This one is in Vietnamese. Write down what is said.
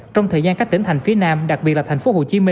trong thời gian các tỉnh thành phía nam đặc biệt là tp hcm